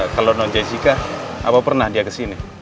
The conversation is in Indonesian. kalau non jessica apa pernah dia kesini